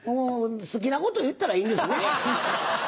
好きなこと言ったらいいんですね。